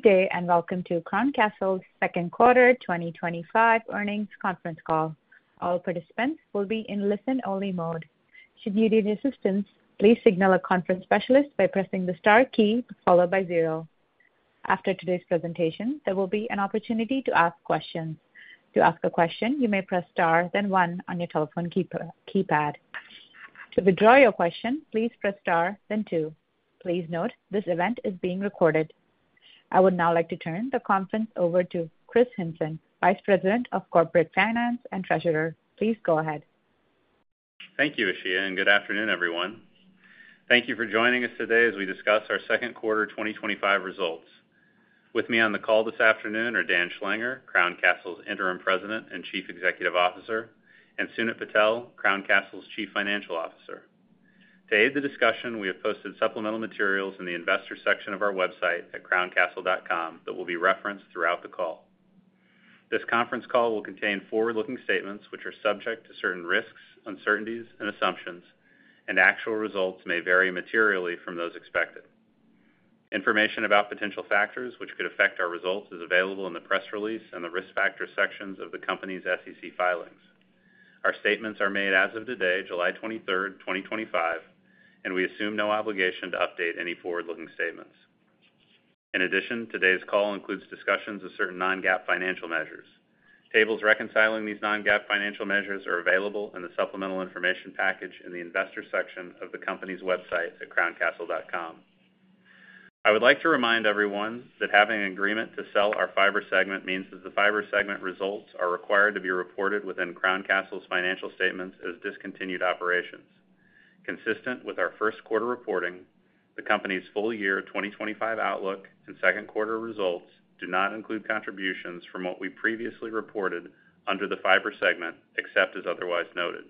Good day and welcome to Crown Castle's Second Quarter 2025 Earnings Conference Call. All participants will be in listen-only mode. Should you need assistance, please signal a conference specialist by pressing the star key followed by zero. After today's presentation, there will be an opportunity to ask questions. To ask a question, you may press star, then one on your telephone keypad. To withdraw your question, please press star, then two. Please note this event is being recorded. I would now like to turn the conference over to Kris Hinson, Vice President of Corporate Finance and Treasurer. Please go ahead. Thank you, Ishia, and good afternoon, everyone. Thank you for joining us today as we discuss our second quarter 2025 results. With me on the call this afternoon are Dan Schlanger, Crown Castle's Interim President and Chief Executive Officer, and Sunit Patel, Crown Castle's, Chief Financial Officer. To aid the discussion, we have posted supplemental materials in the investor section of our website at crowncastle.com that will be referenced throughout the call. This conference call will contain forward-looking statements which are subject to certain risks, uncertainties, and assumptions, and actual results may vary materially from those expected. Information about potential factors which could affect our results is available in the press release and the risk factor sections of the company's SEC filings. Our statements are made as of today, July 23rd, 2025, and we assume no obligation to update any forward-looking statements. In addition, today's call includes discussions of certain non-GAAP financial measures. Tables reconciling these non-GAAP financial measures, are available in the supplemental information package in the investor section of the company's website at crowncastle.com. I would like to remind everyone that having an agreement to sell our fiber segment means that the fiber segment results, are required to be reported within Crown Castle's financial statements, as discontinued operations. Consistent with our first quarter reporting, the company's full year 2025 outlook and second quarter results do not include contributions from what we previously reported under the fiber segment, except as otherwise noted.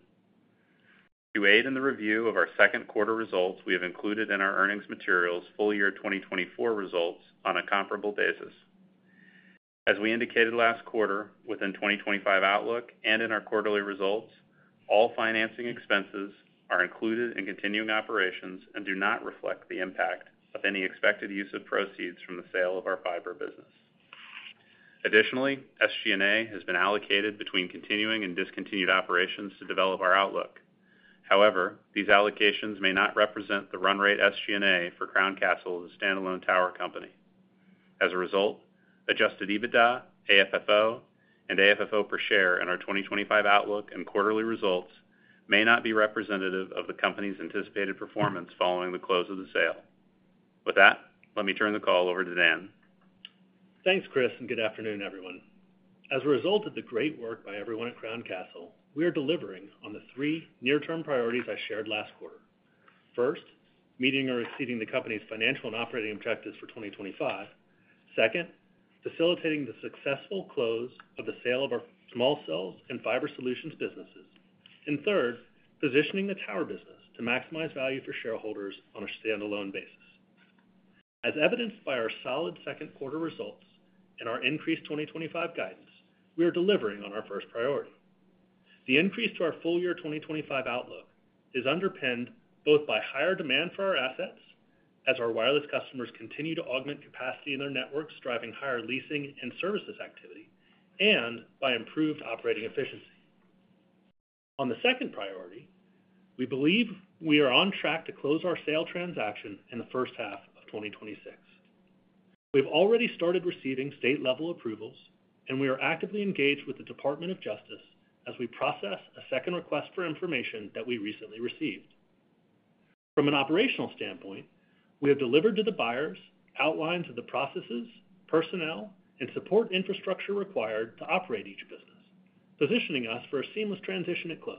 To aid in the review of our second quarter results, we have included in our earnings materials full year 2024 results on a comparable basis. As we indicated last quarter, within 2025 outlook and in our quarterly results, all financing expenses are included in continuing operations and do not reflect the impact of any expected use of proceeds from the sale of our fiber business. Additionally, SG&A, has been allocated between continuing and discontinued operations to develop our outlook. However, these allocations may not represent the run rate SG&A, for Crown Castle, as a standalone tower company. As a result, Adjusted EBITDA, AFFO, and AFFO, per share in our 2025 outlook and quarterly results may not be representative of the company's anticipated performance following the close of the sale. With that, let me turn the call over to Dan. Thanks, Kris, and good afternoon, everyone. As a result of the great work by everyone at Crown Castle, we are delivering on the three near-term priorities I shared last quarter. First, meeting or exceeding the company's financial and operating objectives for 2025. Second, facilitating the successful close of the sale of our small cells and fiber solutions businesses. Third, positioning the tower business to maximize value for shareholders on a standalone basis. As evidenced by our solid second quarter results and our increased 2025 guidance, we are delivering on our first priority. The increase to our full year 2025 outlook is underpinned both by higher demand for our assets as our wireless customers continue to augment capacity, in their networks, driving higher leasing and services activity, and by improved operating efficiency. On the second priority, we believe we are on track to close our sale transaction in the first half of 2026. We have already started receiving state-level approvals, and we are actively engaged with the Department of Justice, as we process a second request for information that we recently received. From an operational standpoint, we have delivered to the buyers outlines of the processes, personnel, and support infrastructure required to operate each business, positioning us for a seamless transition at close.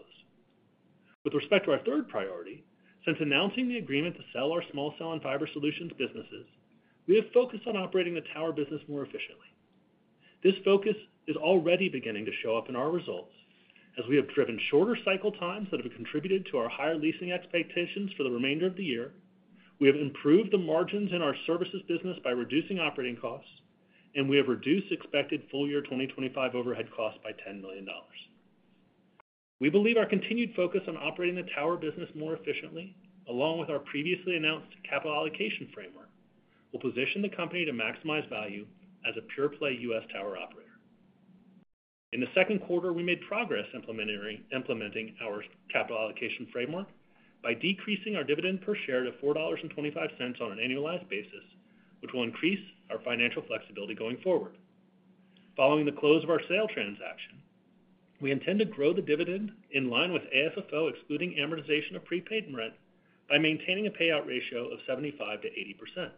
With respect to our third priority, since announcing the agreement to sell our small cell and fiber solutions businesses, we have focused on operating the tower business more efficiently. This focus is already beginning to show up in our results as we have driven shorter cycle time, that have contributed to our higher leasing expectations for the remainder of the year. We have improved the margins in our services business by reducing operating costs, and we have reduced expected full year 2025 overhead costs by $10 million. We believe our continued focus on operating the tower business more efficiently, along with our previously announced capital allocation framework, will position the company to maximize value as a pure-play U.S. tower operator. In the second quarter, we made progress implementing our capital allocation framework by decreasing our dividend per share to $4.25 on an annualized basis, which will increase our financial flexibility going forward. Following the close of our sale transaction, we intend to grow the dividend in line with AFFO, excluding amortization of prepaid rent, by maintaining a payout ratio of 75-80%.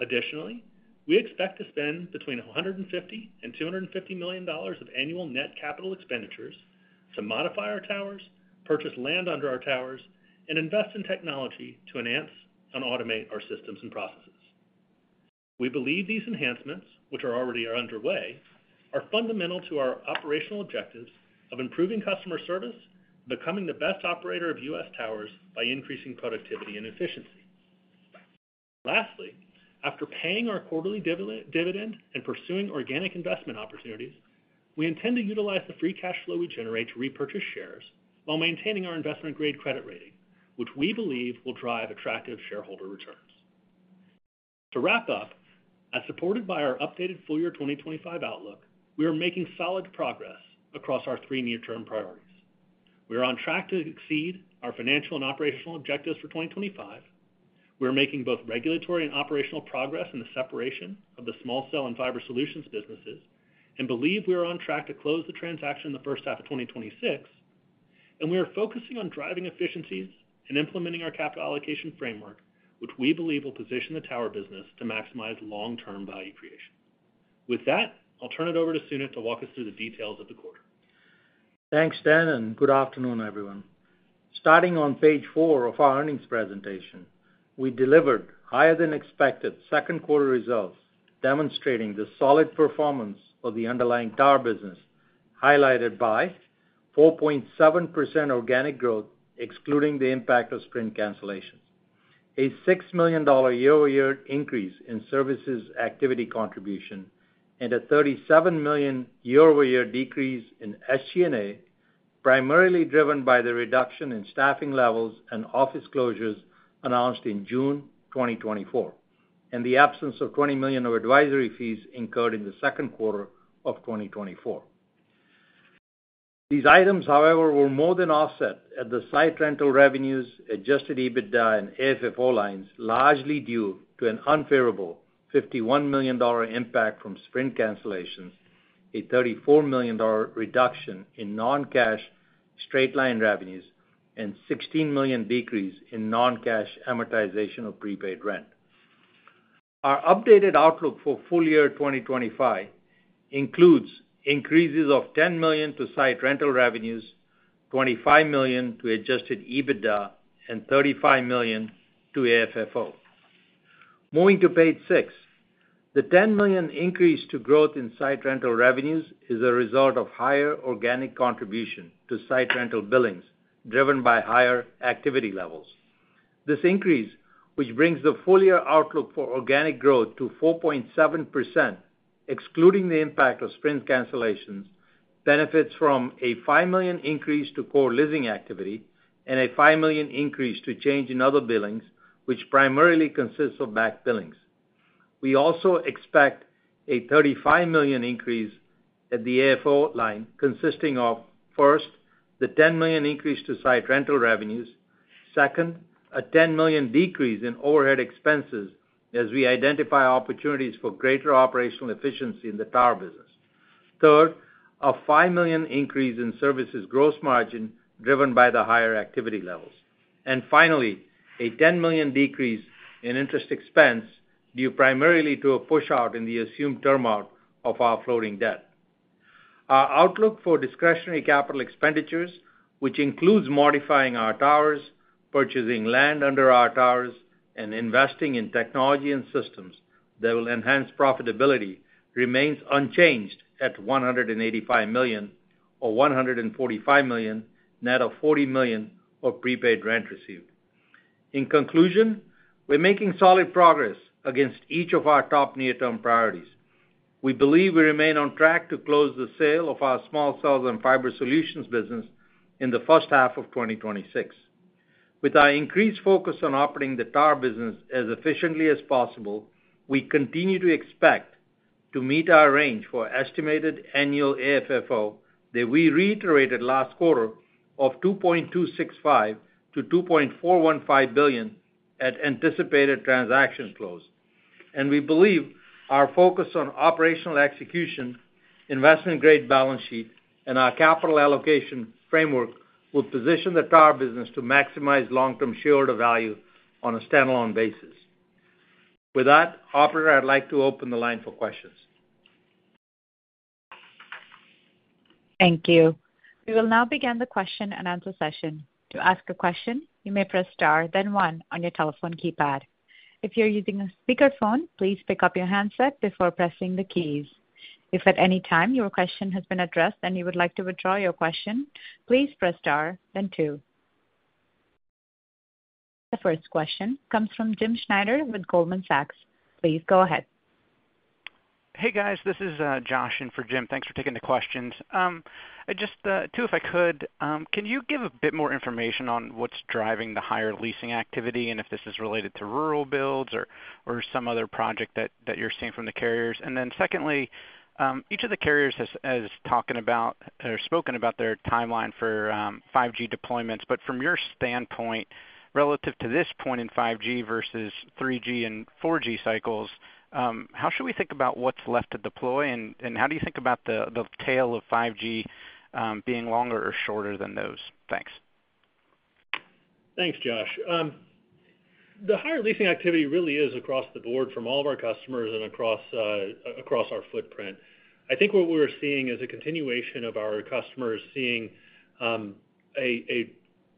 Additionally, we expect to spend between $150 million-$250 million of annual net capital expenditures, to modify our towers, purchase land under our towers, and invest in technology to enhance and automate our systems and processes. We believe these enhancements, which are already underway, are fundamental to our operational objectives of improving customer service and becoming the best operator of U.S. towers by increasing productivity and efficiency. Lastly, after paying our quarterly dividend and pursuing organic investment opportunities, we intend to utilize the free cash flow we generate to repurchase shares while maintaining our investment-grade credit rating, which we believe will drive attractive shareholder returns. To wrap up, as supported by our updated full year 2025 outlook, we are making solid progress across our three near-term priorities. We are on track to exceed our financial and operational objectives for 2025. We are making both regulatory and operational progress in the separation of the small cell and fiber solutions businesses and believe we are on track to close the transaction in the first half of 2026. We are focusing on driving efficiencies and implementing our capital allocation framework, which we believe will position the tower business to maximize long-term value creation. With that, I'll turn it over to Sunit to walk us through the details of the quarter. Thanks, Dan, and good afternoon, everyone. Starting on page four of our earnings presentation, we delivered higher-than-expected second quarter results demonstrating the solid performance of the underlying tower business highlighted by 4.7% organic growth, excluding the impact of Sprint, cancellations, a $6 million year-over-year increase in services activity contribution, and a $37 million year-over-year decrease in SG&A, primarily driven by the reduction in staffing levels and office closures announced in June 2024 and the absence of $20 million of advisory fees, incurred in the second quarter of 2024. These items, however, were more than offset at the site rental revenues, Adjusted EBITDA, and AFFO lines, largely due to an unfavorable $51 million impact from Sprint cancellations, a $34 million reduction in non-cash straight-line revenues, and a $16 million decrease in non-cash amortization of prepaid rent. Our updated outlook for full year 2025 includes increases of $10 million to site rental revenues, $25 million to Adjusted EBITDA, and $35 million to AFFO. Moving to page six, the $10 million increase to growth in site rental revenues is a result of higher organic contribution to site rental billings driven by higher activity levels. This increase, which brings the full year outlook for organic growth to 4.7%, excluding the impact of Sprint cancellations, benefits from a $5 million increase to core living activity and a $5 million increase to change in other billings, which primarily consists of back billings. We also expect a $35 million increase at the AFFO line, consisting of, first, the $10 million increase to site rental revenues. Second, a $10 million decrease in overhead expenses as we identify opportunities for greater operational efficiency in the tower business. Third, a $5 million increase in services gross margin driven by the higher activity levels. Finally, a $10 million decrease in interest expense due primarily to a push-out in the assumed term out of our floating debt. Our outlook for discretionary capital expenditures, which includes modifying our towers, purchasing land under our towers, and investing in technology and systems, that will enhance profitability, remains unchanged at $185 million, or $145 million, net of $40 million of prepaid rent received. In conclusion, we're making solid progress against each of our top near-term priorities. We believe we remain on track to close the sale of our small cells and fiber solutions business in the first half of 2026. With our increased focus on operating the tower business as efficiently as possible, we continue to expect to meet our range for estimated annual AFFO, that we reiterated last quarter of $2.265 billion-$2.415 billion at anticipated transaction close. We believe our focus on operational execution, investment-grade balance sheet, and our capital allocation framework, will position the tower business to maximize long-term shareholder value on a standalone basis. With that, Operator, I'd like to open the line for questions. Thank you. We will now begin the question and answer session. To ask a question, you may press star, then one on your telephone keypad. If you're using a speakerphone, please pick up your handset before pressing the keys. If at any time your question has been addressed and you would like to withdraw your question, please press star, then two. The first question comes from Jim Schneider with Goldman Sachs. Please go ahead. Hey, guys. This is Josh, in for Jim. Thanks for taking the questions. Just two, if I could, can you give a bit more information on what's driving the higher leasing activity and if this is related to rural builds or some other project that you're seeing from the carriers? Secondly, each of the carriers has spoken about their timeline for 5G deployments. From your standpoint, relative to this point in 5G versus 3G and 4G cycles, how should we think about what's left to deploy and how do you think about the tail of 5G, being longer or shorter than those? Thanks. Thanks, Josh. The higher leasing activity really is across the board from all of our customers and across our footprint. I think what we're seeing is a continuation of our customers seeing a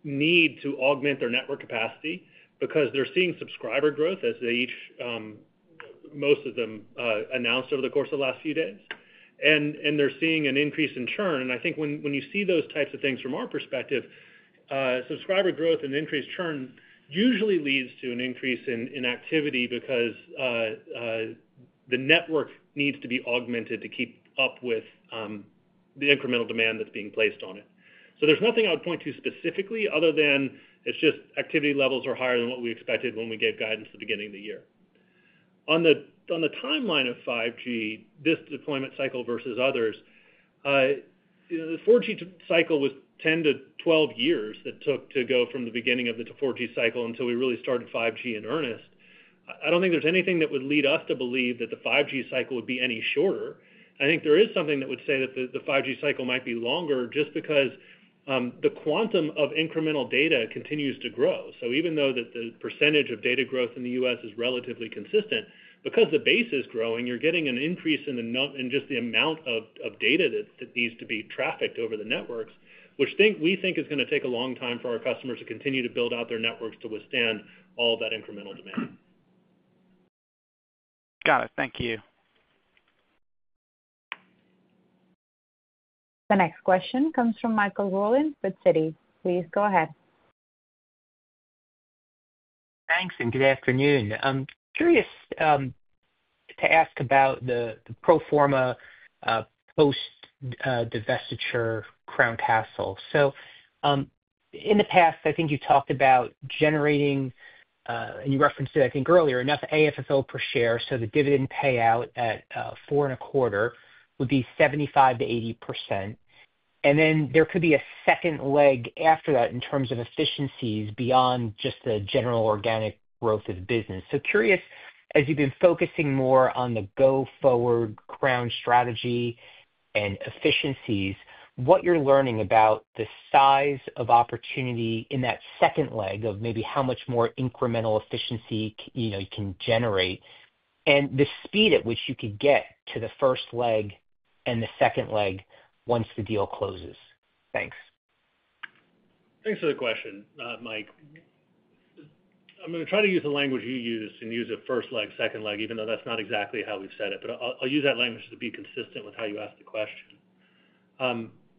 need to augment their network capacity, because they're seeing subscriber growth as most of them announced over the course of the last few days. They're seeing an increase in churn. I think when you see those types of things from our perspective, subscriber growth, and increased churn usually leads to an increase in activity because the network needs to be augmented to keep up with the incremental demand that's being placed on it. There's nothing I would point to specifically other than it's just activity levels are higher than what we expected when we gave guidance at the beginning of the year. On the timeline of 5G, this deployment cycl,e versus others, the 4G cycle, was 10-12 years that took to go from the beginning of the 4G cycle until we really started 5G in earnest. I don't think there's anything that would lead us to believe that the 5G cycle, would be any shorter. I think there is something that would say that the 5G cycle, might be longer just because the quantum of incremental data continues to grow. Even though the percentage of data growth in the U.S. is relatively consistent, because the base is growing, you're getting an increase in just the amount of data that needs to be trafficked over the networks, which we think is going to take a long time for our customers to continue to build out their networks to withstand all that incremental demand. Got it. Thank you. The next question comes from Michael Rollins, with Citi. Please go ahead. Thanks, and good afternoon. I'm curious. To ask about the pro forma post-divestiture Crown Castle. In the past, I think you talked about generating, and you referenced it, I think, earlier, enough AFFO per share, so the dividend payout at $4.25 would be 75%-80%. There could be a second leg after that in terms of efficiencies beyond just the general organic growth of the business. Curious, as you've been focusing more on the go-forward Crown strategy and efficiencies, what you're learning about the size of opportunity in that second leg of maybe how much more incremental efficiency you can generate and the speed at which you could get to the first leg and the second leg once the deal closes. Thanks. Thanks for the question, Mike. I'm going to try to use the language you use and use it first leg, second leg, even though that's not exactly how we've said it. But I'll use that language to be consistent with how you asked the question.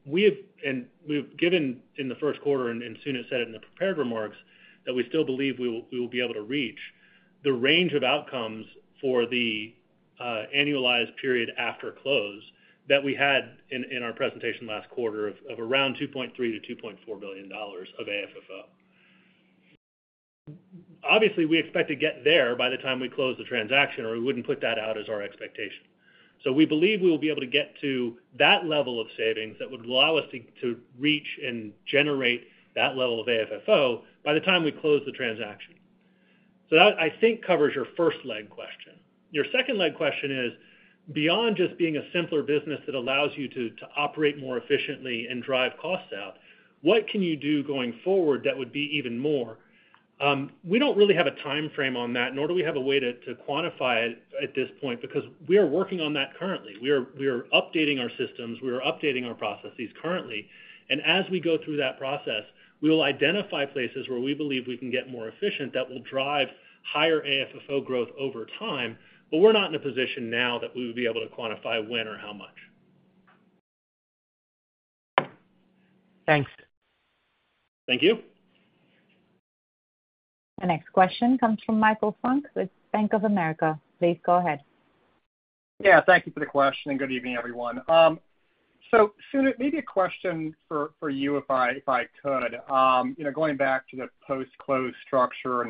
We have given in the first quarter, and Sunit, said it in the prepared remarks, that we still believe we will be able to reach the range of outcomes for the annualized period after close that we had in our presentation last quarter of around $2.3 billion-$2.4 billion of AFFO. Obviously, we expect to get there by the time we close the transaction, or we wouldn't put that out as our expectation. We believe we will be able to get to that level of savings that would allow us to reach and generate that level of AFFO, by the time we close the transaction. That, I think, covers your first leg question. Your second leg question is, beyond just being a simpler business that allows you to operate more efficiently and drive costs out, what can you do going forward that would be even more? We don't really have a timeframe on that, nor do we have a way to quantify it at this point because we are working on that currently. We are updating our systems. We are updating our processes currently. As we go through that process, we will identify places where we believe we can get more efficient that will drive higher AFFO growth, over time. We're not in a position now that we would be able to quantify when or how much. Thanks. Thank you. The next question comes from Michael Funk with Bank of America. Please go ahead. Yeah, thank you for the question. Good evening, everyone. Sunit, maybe a question for you if I could. Going back to the post-close structure,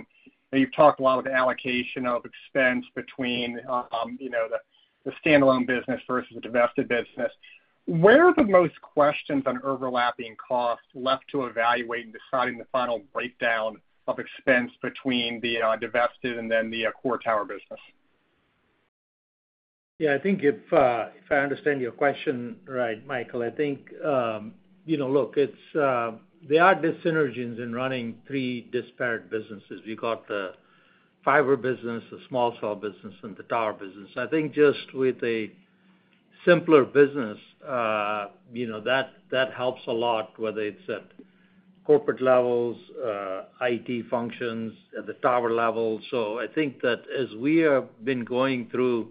you've talked a lot about the allocation of expense between the standalone business versus the divested business. Where are the most questions on overlapping costs left to evaluate in deciding the final breakdown of expense between the divested and then the core tower business? Yeah, I think if I understand your question right, Michael, I think. Look, there are disintegrations in running three disparate businesses. We've got the fiber business, the small cell business, and the tower business. I think just with a simpler business, that helps a lot, whether it's at corporate levels, IT functions, at the tower level. I think that as we have been going through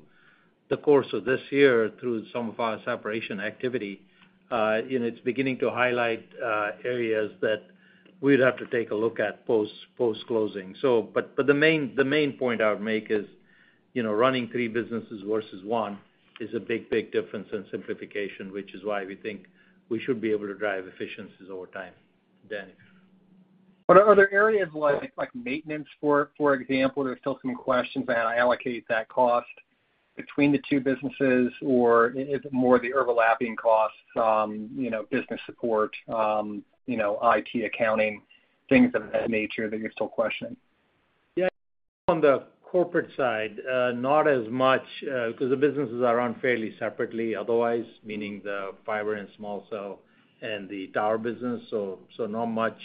the course of this year through some of our separation activity, it's beginning to highlight areas that we'd have to take a look at post-closing. The main point I would make is running three businesses versus one is a big, big difference in simplification, which is why we think we should be able to drive efficiencies over time. Are there areas like maintenance, for example, there's still some questions on how to allocate that cost between the two businesses, or is it more the overlapping costs, business support, IT, accounting, things of that nature that you're still questioning? Yeah, on the corporate side, not as much because the businesses are run fairly separately otherwise, meaning the fiber and small cell and the tower business. So not much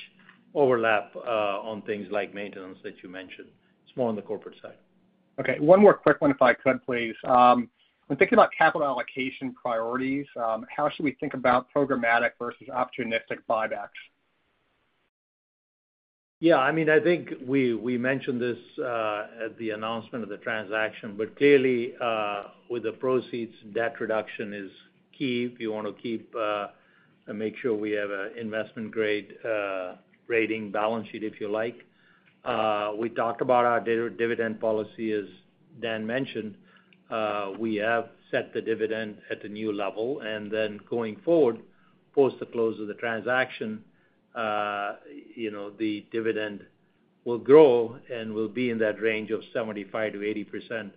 overlap on things like maintenance that you mentioned. It's more on the corporate side. Okay. One more quick one, if I could, please. When thinking about capital allocation priorities, how should we think about programmatic versus opportunistic buybacks? Yeah, I mean, I think we mentioned this at the announcement of the transaction, but clearly. With the proceeds, debt reduction is key if you want to keep. And make sure we have an investment-grade. Rating balance sheet, if you like. We talked about our dividend policy, as Dan, mentioned. We have set the dividend at a new level. Then going forward, post the close of the transaction. The dividend will grow and will be in that range of 75%-80%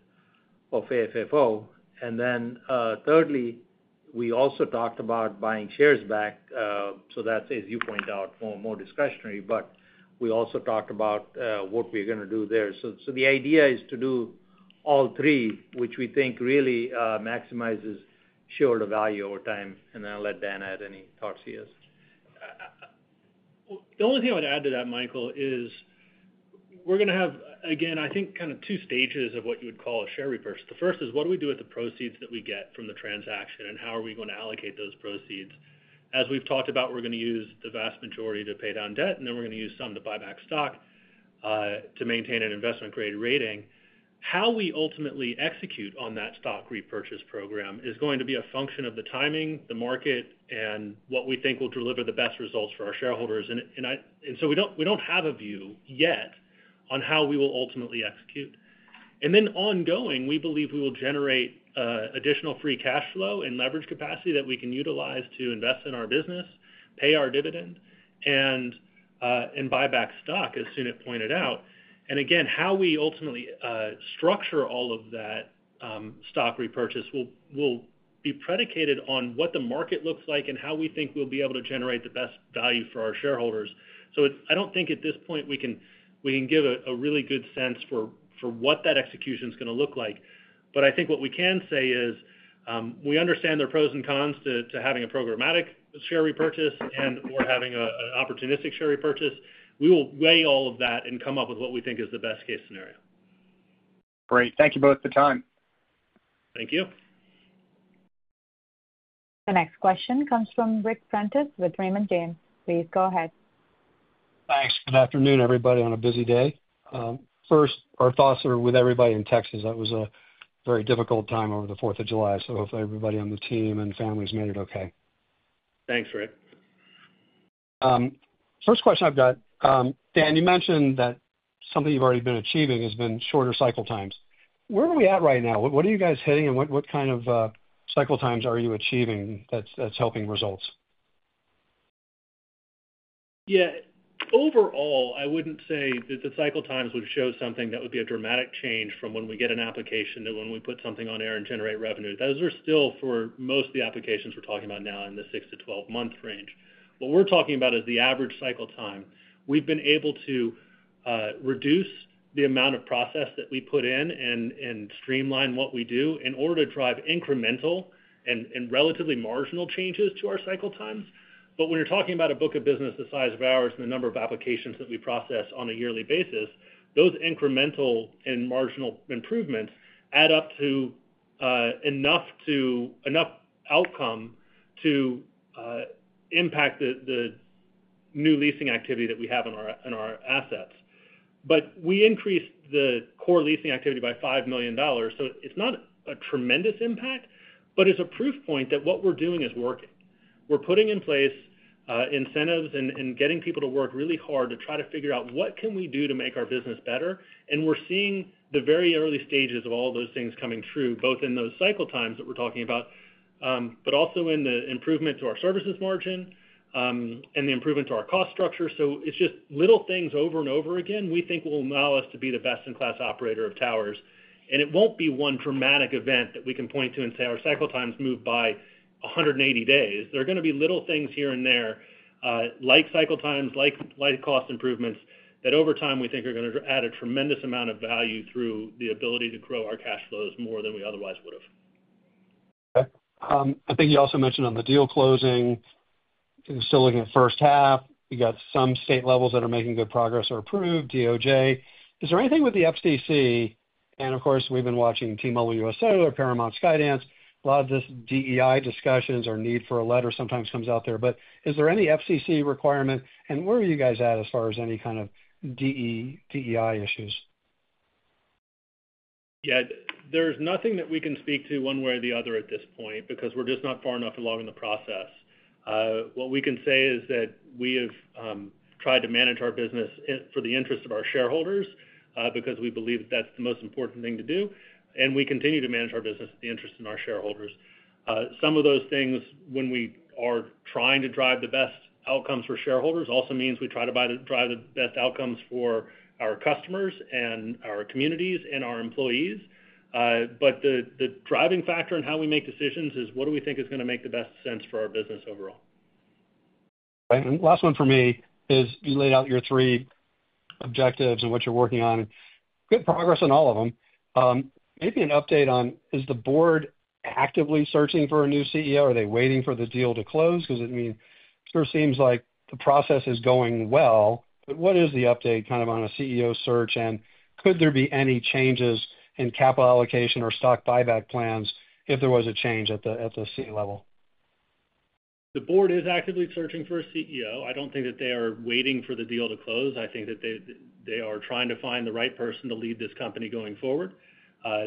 of AFFO. Then thirdly, we also talked about buying shares back. That's, as you point out, more discretionary. We also talked about what we're going to do there. The idea is to do all three, which we think really maximizes shareholder value over time. I'll let Dan, add any thoughts he has. The only thing I would add to that, Michael, is we're going to have, again, I think, kind of two stages of what you would call a share reverse. The first is what do we do with the proceeds that we get from the transaction, and how are we going to allocate those proceeds? As we've talked about, we're going to use the vast majority to pay down debt, and then we're going to use some to buy back stock to maintain an investment-grade rating. How we ultimately execute on that stock repurchase program is going to be a function of the timing, the market, and what we think will deliver the best results for our shareholders. We don't have a view yet on how we will ultimately execute. Ongoing, we believe we will generate additional free cash flow and leverage capacity that we can utilize to invest in our business, pay our dividend, and buy back stock, as Sunit pointed out. Again, how we ultimately structure all of that stock repurchase will be predicated on what the market looks like and how we think we'll be able to generate the best value for our shareholders. I don't think at this point we can give a really good sense for what that execution is going to look like. I think what we can say is we understand the pros and cons to having a programmatic share repurchase and/or having an opportunistic share repurchase. We will weigh all of that and come up with what we think is the best-case scenario. Great. Thank you both for your time. Thank you. The next question comes from Ric Prentiss, with Raymond James. Please go ahead. Thanks. Good afternoon, everybody, on a busy day. First, our thoughts are with everybody in Texas. That was a very difficult time over the 4th of July. Hopefully everybody on the team and families made it okay. Thanks, Ric. First question I've got. Dan, you mentioned that something you've already been achieving has been shorter cycle times. Where are we at right now? What are you guys hitting, and what kind of cycle times are you achieving that's helping results? Yeah. Overall, I wouldn't say that the cycle times would show something that would be a dramatic change from when we get an application to when we put something on air and generate revenue. Those are still for most of the applications we're talking about now in the 6-12 month range. What we're talking about is the average cycle time. We've been able to reduce the amount of process that we put in and streamline what we do in order to drive incremental and relatively marginal changes to our cycle times. But when you're talking about a book of business the size of ours and the number of applications that we process on a yearly basis, those incremental and marginal improvements, add up to enough outcome to impact the new leasing activity that we have in our assets. But we increased the core leasing activity by $5 million. So it's not a tremendous impact, but it's a proof point that what we're doing is working. We're putting in place incentives and getting people to work really hard to try to figure out what can we do to make our business better. And we're seeing the very early stages of all those things coming through, both in those cycle times that we're talking about, but also in the improvement to our services margin, and the improvement to our cost structure. So it's just little things over and over again we think will allow us to be the best-in-class operator of towers. It won't be one dramatic event that we can point to and say our cycle times move by 180 days. There are going to be little things here and there, like cycle times, like cost improvements, that over time we think are going to add a tremendous amount of value through the ability to grow our cash flows more than we otherwise would have. Okay. I think you also mentioned on the deal closing. Still looking at first half. You got some state levels that are making good progress or approved, DOJ. Is there anything with the FCC? We've been watching T-Mobile, USO, or Paramount, Skydance. A lot of this DEI discussions, or need for a letter sometimes comes out there. Is there any FCC requirement? Where are you guys at as far as any kind of DEI issues? Yeah. There's nothing that we can speak to one way or the other at this point because we're just not far enough along in the process. What we can say is that we have tried to manage our business for the interest of our shareholders because we believe that that's the most important thing to do. We continue to manage our business in the interest of our shareholders. Some of those things, when we are trying to drive the best outcomes for shareholders, also means we try to drive the best outcomes for our customers and our communities and our employees. The driving factor in how we make decisions is what do we think is going to make the best sense for our business overall? Last one for me is you laid out your three objectives and what you're working on. Good progress on all of them. Maybe an update on, is the board actively searching for a new CEO? Are they waiting for the deal to close? It sure seems like the process is going well. What is the update kind of on a CEO, search? Could there be any changes in capital allocation or stock buyback plans if there was a change at the C-level? The board is actively searching for a CEO. I don't think that they are waiting for the deal to close. I think that they are trying to find the right person to lead this company going forward.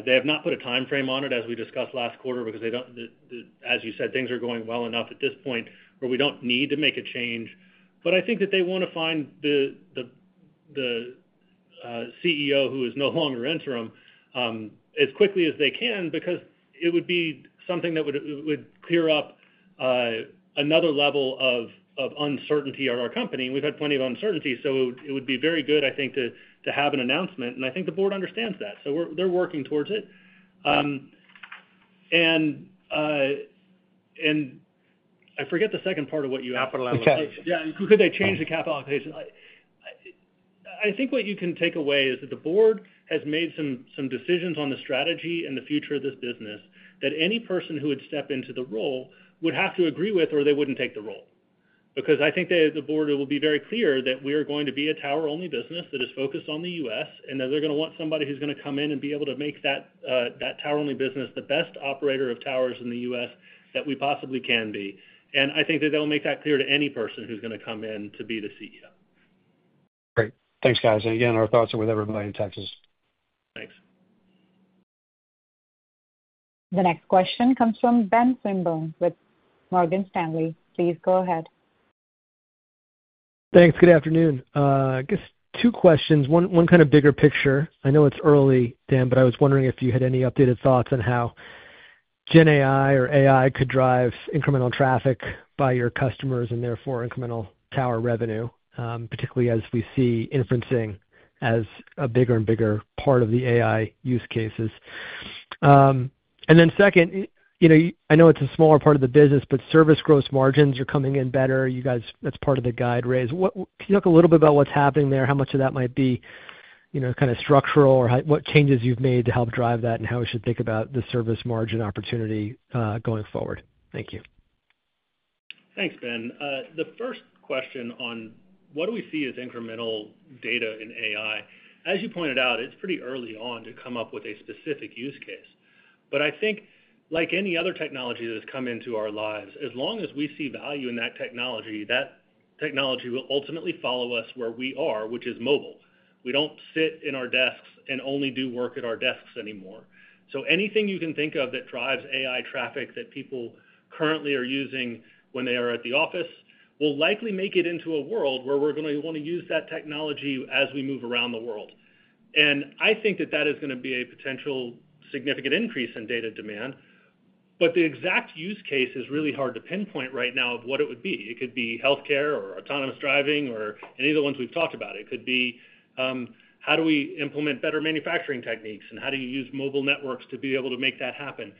They have not put a timeframe on it, as we discussed last quarter, because, as you said, things are going well enough at this point where we don't need to make a change. I think that they want to find the CEO, who is no longer interim as quickly as they can because it would be something that would clear up another level of uncertainty at our company. We've had plenty of uncertainty. It would be very good, I think, to have an announcement. I think the board understands that. They're working towards it. I forget the second part of what you asked. Capital allocation. Yeah. Could they change the capital allocation?I think what you can take away is that the board has made some decisions on the strategy and the future of this business that any person who would step into the role would have to agree with, or they would not take the role. I think the board will be very clear that we are going to be a tower-only business that is focused on the U.S., and that they are going to want somebody who is going to come in and be able to make that tower-only business the best operator of towers in the U.S. that we possibly can be. I think that they will make that clear to any person who is going to come in to be the CEO. Great. Thanks, guys. And again, our thoughts are with everybody in Texas. Thanks. The next question comes from Ben Swinburne with Morgan Stanley. Please go ahead. Thanks. Good afternoon. I guess two questions. One kind of bigger picture. I know it's early, Dan, but I was wondering if you had any updated thoughts on how GenAI or AI, could drive incremental traffic by your customers and therefore incremental tower revenue, particularly as we see inferencing as a bigger and bigger part of the AI use cases. Then second. I know it's a smaller part of the business, but service gross margins, are coming in better. That's part of the guide raise. Can you talk a little bit about what's happening there, how much of that might be kind of structural or what changes you've made to help drive that and how we should think about the service margin opportunity, going forward? Thank you. Thanks, Ben. The first question on what do we see as incremental data in AI? As you pointed out, it's pretty early on to come up with a specific use case. I think, like any other technology that has come into our lives, as long as we see value in that technology, that technology will ultimately follow us where we are, which is mobile. We don't sit in our desks and only do work at our desks anymore. Anything you can think of that drives AI traffic, that people currently are using when they are at the office will likely make it into a world where we're going to want to use that technology as we move around the world. I think that that is going to be a potential significant increase in data demand. The exact use case is really hard to pinpoint right now of what it would be. It could be healthcare or autonomous driving, or any of the ones we've talked about. It could be, how do we implement better manufacturing techniques, and how do you use mobile networks, to be able to make that happen?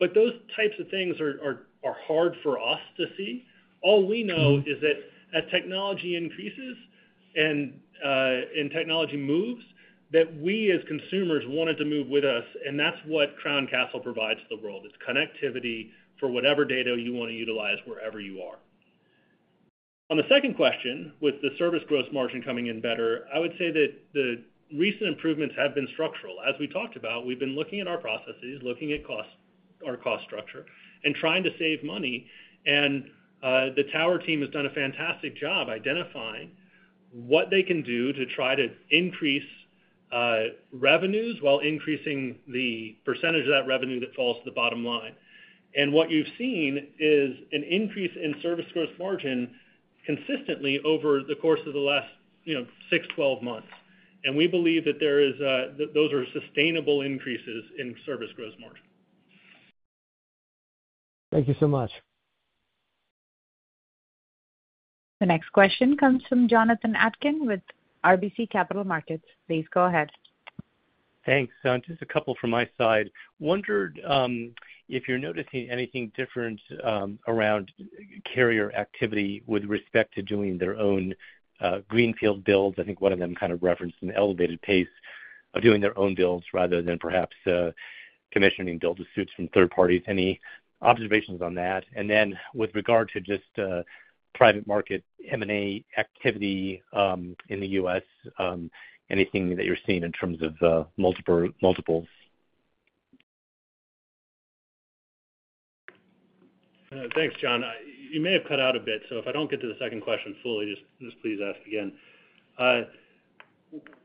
Those types of things are hard for us to see. All we know is that as technology increases and technology moves, we as consumers want it to move with us. That's what Crown Castle, provides the world. It's connectivity for whatever data you want to utilize wherever you are. On the second question, with the service gross margin coming in better, I would say that the recent improvements have been structural. As we talked about, we've been looking at our processes, looking at our cost structure, and trying to save money. The tower team has done a fantastic job identifying what they can do to try to increase revenues while increasing the percentage of that revenue that falls to the bottom line. What you've seen is an increase in service gross margin, consistently over the course of the last 6-12 months. We believe that those are sustainable increases in service gross margin. Thank you so much. The next question comes from Jonathan Atkin, with RBC Capital Markets. Please go ahead. Thanks. Just a couple from my side. Wondered if you're noticing anything different around carrier activity with respect to doing their own greenfield builds. I think one of them kind of referenced an elevated pace of doing their own builds rather than perhaps commissioning build-to-suits from third parties. Any observations on that? With regard to just private market M&A activity in the U.S., anything that you're seeing in terms of multiples? Thanks, Jonathan. You may have cut out a bit. If I do not get to the second question fully, just please ask again.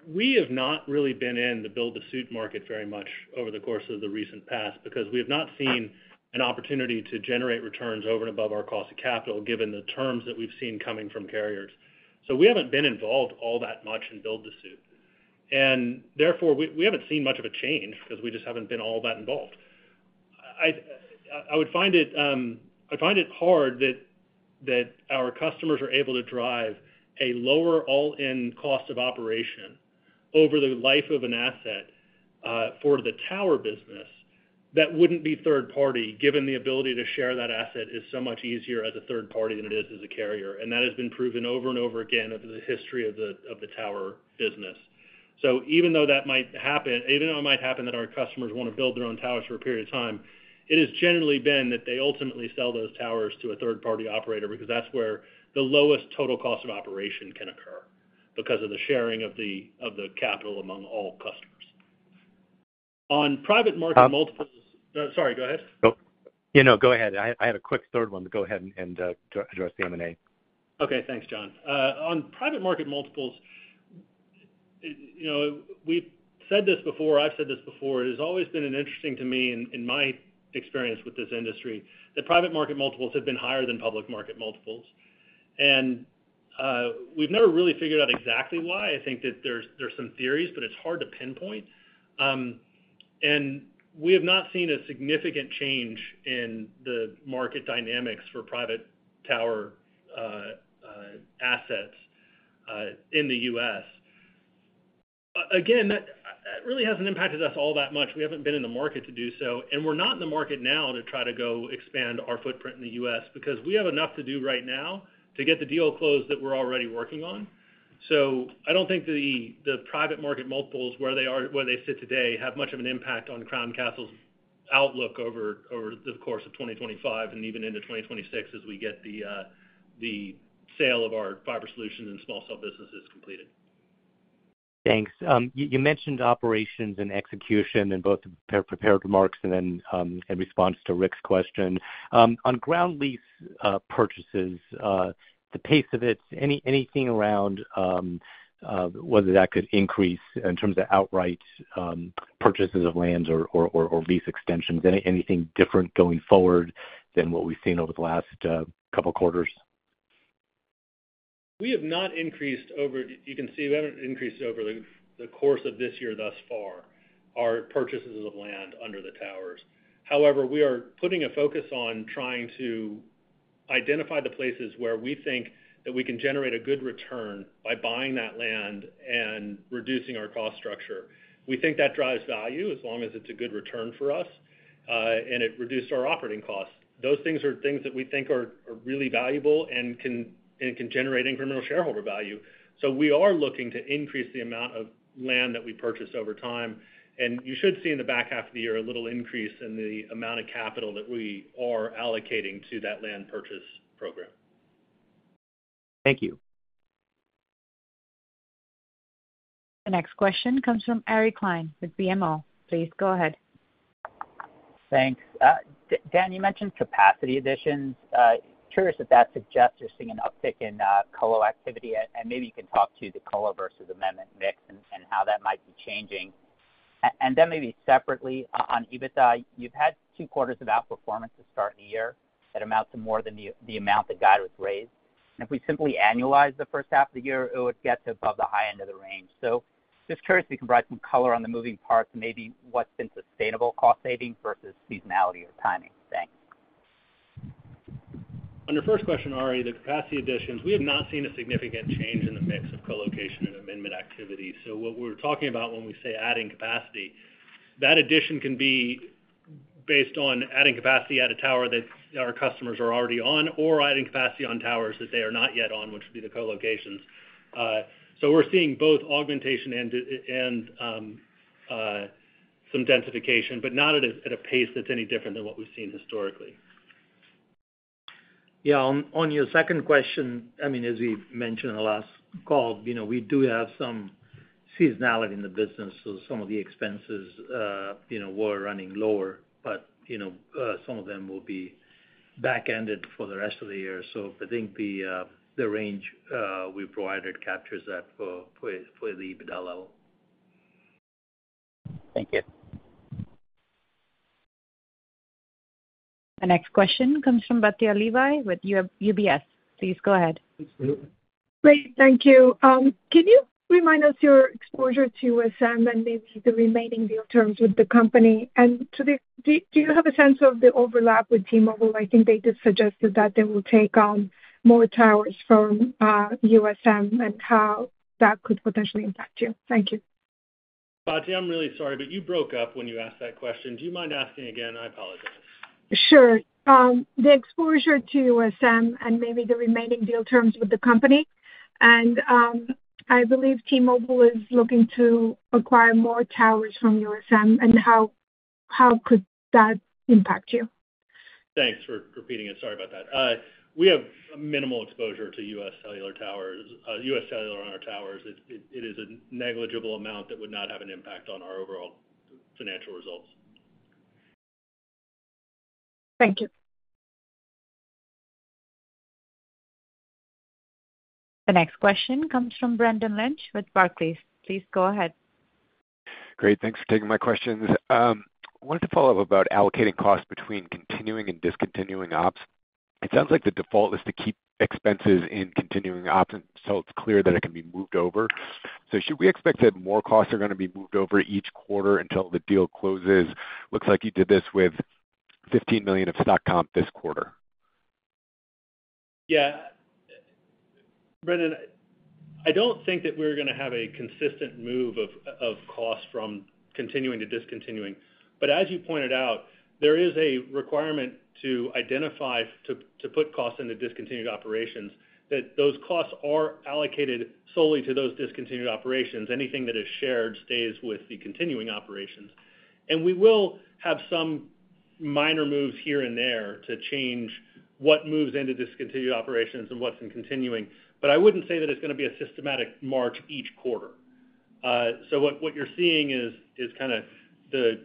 We have not really been in the build-to-suit market very much over the course of the recent past because we have not seen an opportunity to generate returns over and above our cost of capital given the terms that we have seen coming from carriers. We have not been involved all that much in build-to-suit. Therefore, we have not seen much of a change because we just have not been all that involved. I would find it hard that our customers are able to drive a lower all-in cost of operation over the life of an asset for the tower business that would not be third-party given the ability to share that asset is so much easier as a third party than it is as a carrier. That has been proven over and over again over the history of the tower business. Even though that might happen, even though it might happen that our customers want to build their own towers for a period of time, it has generally been that they ultimately sell those towers to a third-party operator, because that is where the lowest total cost of operation, can occur because of the sharing of the capital among all customers. On private market multiples—sorry, go ahead. No, go ahead. I had a quick third one to go ahead and address the M&A. Okay. Thanks, John. On private market multiples. We've said this before. I've said this before. It has always been interesting to me, in my experience with this industry, that private market multiples have been higher than public market multiples. We've never really figured out exactly why. I think that there's some theories, but it's hard to pinpoint. We have not seen a significant change in the market dynamics for private tower assets in the U.S. Again, that really hasn't impacted us all that much. We haven't been in the market to do so. We're not in the market now to try to go expand our footprint in the U.S. because we have enough to do right now to get the deal closed that we're already working on. I don't think the private market multiples, where they sit today, have much of an impact on Crown Castle's outlook, over the course of 2025 and even into 2026, as we get the sale of our fiber solutions and small cells businesses completed. Thanks. You mentioned operations and execution in both the prepared remarks and then in response to Ric's question. On ground lease purchases, the pace of it, anything around. Whether that could increase in terms of outright purchases of land or lease extensions? Anything different going forward than what we've seen over the last couple of quarters? We have not increased over—you can see we have not increased over the course of this year thus far—our purchases of land under the towers. However, we are putting a focus on trying to identify the places where we think that we can generate a good return by buying that land and reducing our cost structure. We think that drives value as long as it is a good return for us. And it reduced our operating costs. Those things are things that we think are really valuable and can generate incremental shareholder value. We are looking to increase the amount of land that we purchase over time. You should see in the back half of the year a little increase in the amount of capital that we are allocating to that land purchase program. Thank you. The next question comes from Ari Klein, with BMO. Please go ahead. Thanks. Dan, you mentioned capacity additions. Curious if that suggests you're seeing an uptick in co-activity. Maybe you can talk to the co-lo versus amendment mix and how that might be changing. Maybe separately, on EBITDA, you've had two quarters of outperformance to start the year that amounts to more than the amount the guide was raised. If we simply annualize the first half of the year, it would get to above the high end of the range. Just curious if you can provide some color on the moving parts and maybe what's been sustainable cost savings versus seasonality or timing. Thanks. On your first question, Ari, the capacity additions, we have not seen a significant change in the mix of co-location and amendment activity. What we are talking about when we say adding capacity, that addition can be based on adding capacity at a tower that our customers are already on or adding capacity on towers that they are not yet on, which would be the co-locations. We are seeing both augmentation and some densification, but not at a pace that is any different than what we have seen historically. Yeah. On your second question, I mean, as we mentioned in the last call, we do have some seasonality in the business. So some of the expenses were running lower, but some of them will be back-ended for the rest of the year. I think the range we provided captures that for the EBITDA level. Thank you. The next question comes from Batya Levi, with UBS. Please go ahead. Great. Thank you. Can you remind us your exposure to UScellular, and maybe the remaining deal terms with the company? Do you have a sense of the overlap with T-Mobile? I think they just suggested that they will take on more towers from UScellular, and how that could potentially impact you. Thank you. Batya, I'm really sorry, but you broke up when you asked that question. Do you mind asking again? I apologize. Sure. The exposure to UScellular, and maybe the remaining deal terms with the company. I believe T-Mobile, is looking to acquire more towers from UScellular. How could that impact you? Thanks for repeating it. Sorry about that. We have minimal exposure to UScellular towers. UScellular, on our towers, it is a negligible amount that would not have an impact on our overall financial results. Thank you. The next question comes from Brendan Lynch, with Barclays. Please go ahead. Great. Thanks for taking my questions. I wanted to follow up about allocating costs between continuing and discontinued ops. It sounds like the default is to keep expenses in continuing ops until it's clear that it can be moved over. Should we expect that more costs are going to be moved over each quarter until the deal closes? Looks like you did this with $15 million of stock comp this quarter. Yeah. Brendan, I do not think that we are going to have a consistent move of costs from continuing to discontinuing. As you pointed out, there is a requirement to identify, to put costs into discontinued operations, that those costs are allocated solely to those discontinued operations. Anything that is shared stays with the continuing operations. We will have some minor moves here and there to change what moves into discontinued operations and what is in continuing. I would not say that it is going to be a systematic march each quarter. What you are seeing is kind of the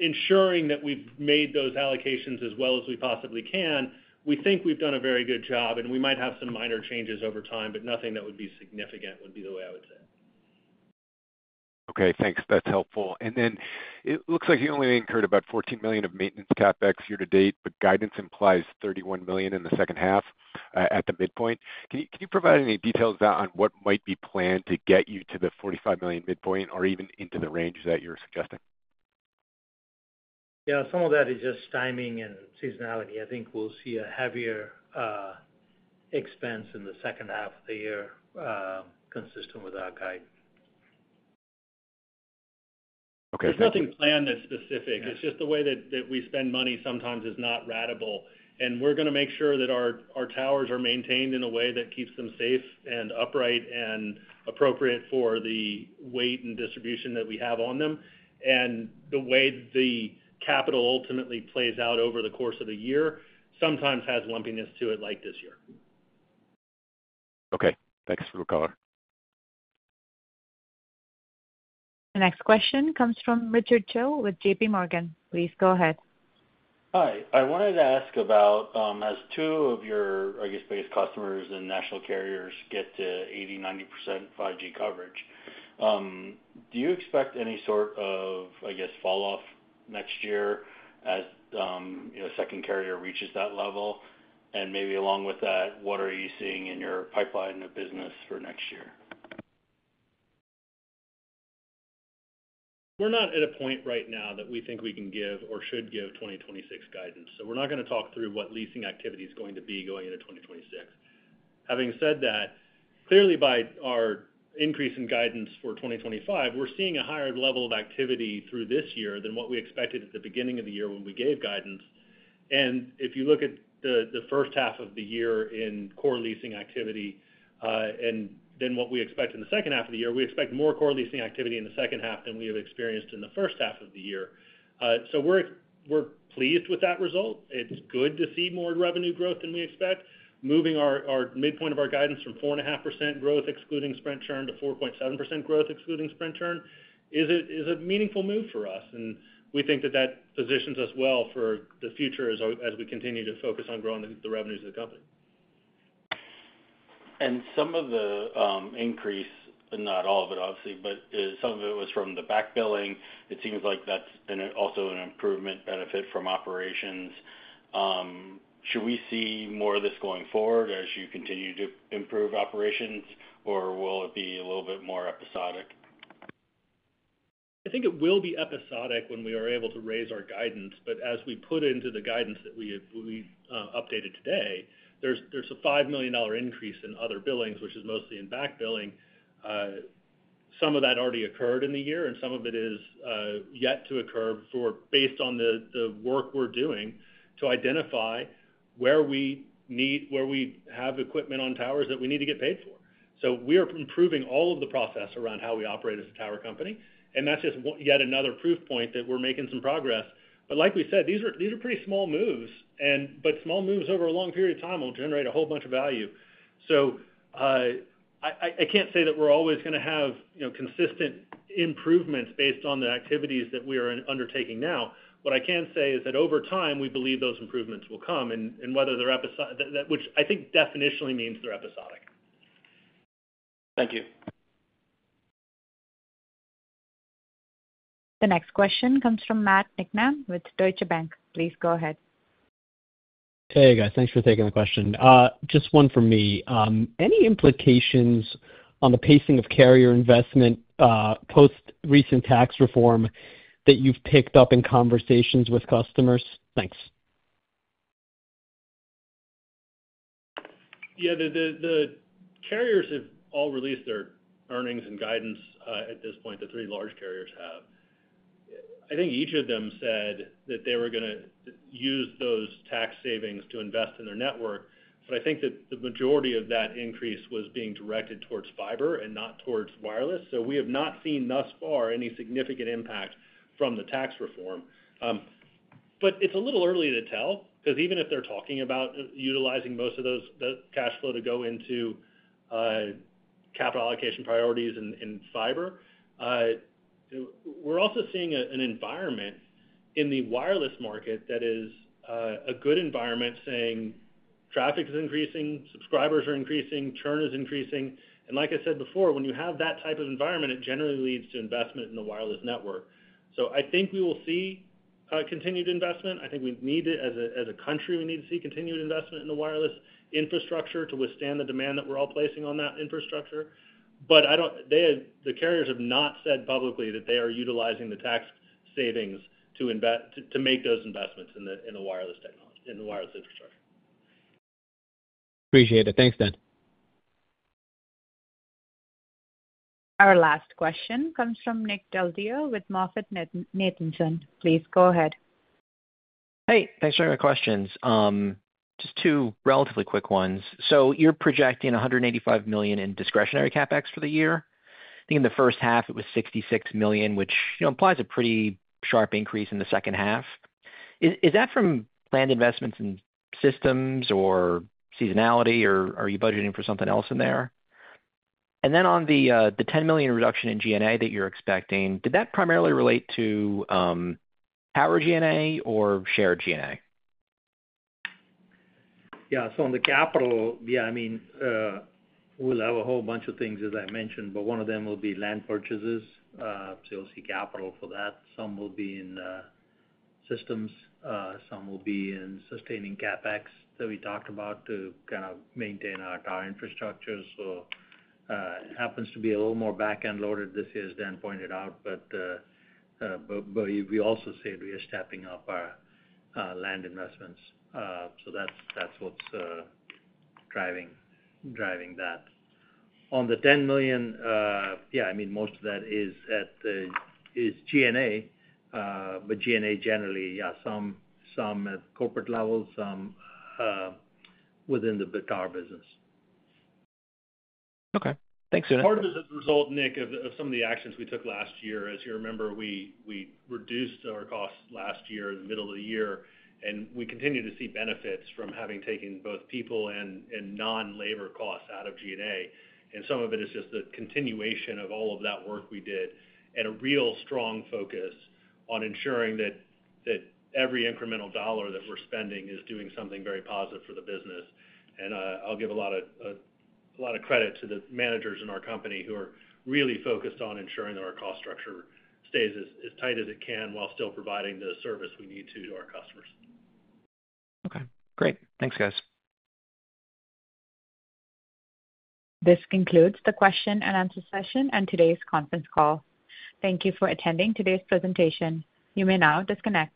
ensuring that we have made those allocations as well as we possibly can. We think we have done a very good job, and we might have some minor changes over time, but nothing that would be significant would be the way I would say it. Okay. Thanks. That's helpful. It looks like you only incurred about $14 million of maintenance CapEx, year to date, but guidance implies $31 million in the second half at the midpoint. Can you provide any details on what might be planned to get you to the $45 million midpoint or even into the range that you're suggesting? Yeah. Some of that is just timing and seasonality. I think we'll see a heavier expense in the second half of the year, consistent with our guide. Okay. There's nothing planned that's specific. It's just the way that we spend money sometimes is not ratable. We're going to make sure that our towers are maintained in a way that keeps them safe and upright and appropriate for the weight and distribution that we have on them. The way the capital ultimately plays out over the course of the year sometimes has lumpiness to it like this year. Okay. Thanks for the color. The next question comes from Richard Choe, with JPMorgan. Please go ahead. Hi. I wanted to ask about, as two of your, I guess, biggest customers and national carriers get to 80-90% 5G coverage. Do you expect any sort of, I guess, falloff next year as a second carrier reaches that level? And maybe along with that, what are you seeing in your pipeline of business for next year? We're not at a point right now that we think we can give or should give 2026 guidance. So we're not going to talk through what leasing activity is going to be going into 2026. Having said that, clearly, by our increase in guidance for 2025, we're seeing a higher level of activity through this year than what we expected at the beginning of the year when we gave guidance. If you look at the first half of the year in core leasing activity, and then what we expect in the second half of the year, we expect more core leasing activity in the second half than we have experienced in the first half of the year. We're pleased with that result. It's good to see more revenue growth than we expect. Moving our midpoint of our guidance from 4.5% growth excluding Sprint churn, to 4.7% growth excluding Sprint churn, is a meaningful move for us. We think that that positions us well for the future as we continue to focus on growing the revenues of the company. Some of the increase, not all of it, obviously, but some of it was from the backbilling. It seems like that's been also an improvement benefit from operations. Should we see more of this going forward as you continue to improve operations, or will it be a little bit more episodic? I think it will be episodic when we are able to raise our guidance. As we put into the guidance that we updated today, there's a $5 million increase in other billings, which is mostly in backbilling. Some of that already occurred in the year, and some of it is yet to occur based on the work we're doing to identify where we have equipment on towers that we need to get paid for. We are improving all of the process around how we operate as a tower company, and that's just yet another proof point that we're making some progress. Like we said, these are pretty small moves, but small moves over a long period of time will generate a whole bunch of value. I can't say that we're always going to have consistent improvements based on the activities that we are undertaking now. What I can say is that over time, we believe those improvements will come. Whether they're episodic, which I think definitionally means they're episodic. Thank you. The next question comes from Matt Nicknam, with Deutsche Bank. Please go ahead. Hey, guys. Thanks for taking the question. Just one for me. Any implications on the pacing of carrier investment post-recent tax reform that you've picked up in conversations with customers? Thanks. Yeah. The carriers have all released their earnings and guidance, at this point. The three large carriers have. I think each of them said that they were going to use those tax savings to invest in their network. I think that the majority of that increase was being directed towards fiber and not towards wireless. We have not seen thus far any significant impact from the tax reform. It is a little early to tell because even if they are talking about utilizing most of those cash flow to go into capital allocation priorities in fiber, we are also seeing an environment in the wireless market, that is a good environment, saying traffic is increasing, subscribers are increasing, churn is increasing. Like I said before, when you have that type of environment, it generally leads to investment in the wireless network. I think we will see continued investment. I think we need it as a country. We need to see continued investment in the wireless infrastructure to withstand the demand that we are all placing on that infrastructure. The carriers have not said publicly that they are utilizing the tax savings to make those investments in the wireless infrastructure. Appreciate it. Thanks, Dan. Our last question comes from Nick Del Deo, with MoffettNathanson. Please go ahead. Hey. Thanks for your questions. Just two relatively quick ones. You're projecting $185 million in discretionary CapEx, for the year. I think in the first half, it was $66 million, which implies a pretty sharp increase in the second half. Is that from planned investments in systems or seasonality, or are you budgeting for something else in there? On the $10 million reduction in G&A, that you're expecting, did that primarily relate to power G&A or shared G&A? Yeah. On the capital, yeah, I mean, we'll have a whole bunch of things, as I mentioned, but one of them will be land purchases. You'll see capital for that. Some will be in systems. Some will be in sustaining CapEx, that we talked about to kind of maintain our tower infrastructure. It happens to be a little more back-end loaded this year, as Dan pointed out. We also said we are stepping up our land investments. That's what's driving that. On the $10 million, yeah, I mean, most of that is G&A. G&A generally, yeah, some at the corporate level, some within the tower business. Okay. Thanks, Sunit. Part of this is the result, Nick, of some of the actions we took last year. As you remember, we reduced our costs last year in the middle of the year. We continue to see benefits from having taken both people and non-labor costs out of G&A. Some of it is just the continuation of all of that work we did and a real strong focus on ensuring that every incremental dollar that we're spending is doing something very positive for the business. I will give a lot of credit to the managers in our company who are really focused on ensuring that our cost structure stays as tight as it can while still providing the service we need to our customers. Okay. Great. Thanks, guys. This concludes the question and answer session and today's conference call. Thank you for attending today's presentation. You may now disconnect.